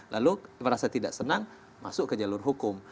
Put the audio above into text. lalu merasa tidak senang masuk ke jalur hukum